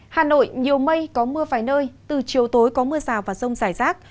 hà nội nhiều mây có mưa vài nơi từ chiều tối có mưa rào và rông rải rác